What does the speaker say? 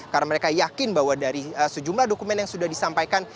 karena mereka yakin bahwa dari sejumlah dokumen yang sudah disampaikan